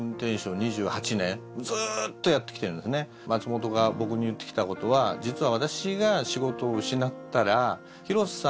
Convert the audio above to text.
松本が僕に言ってきたことは実は。